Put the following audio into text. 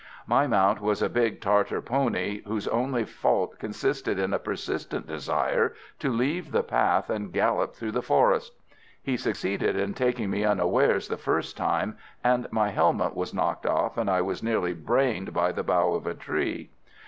My mount was a big Tartar pony, whose only fault consisted in a persistent desire to leave the path and gallop through the forest. He succeeded in taking me unawares the first time, and my helmet was knocked off and I was nearly brained by the bough of a tree.